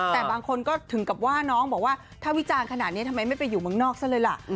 แต่บางคนก็ถึงกับว่าน้องบอกว่าถ้าวิจารณ์ขนาดนี้ทำไมไม่ไปอยู่เมืองนอกซะเลยล่ะ